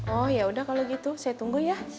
oh ya udah kalo gitu saya tunggu ya